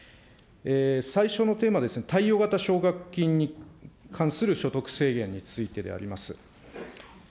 最初のテーマです、貸与型奨学金に対する所得制限についてであります。